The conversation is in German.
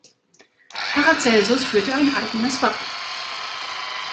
Paracelsus führte ein eigenes Wappen.